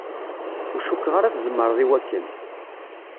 Ur cukkeɣ ara tzemreḍ i wakken.